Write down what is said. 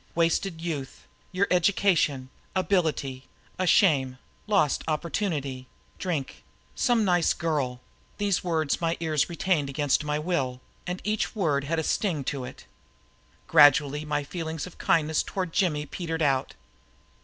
"Wasted youth your education ability a shame lost opportunity drink some nice girl" these words my ears retained against my will, and each word had a sting to it. Gradually my feeling of kindliness toward Jimmy petered out.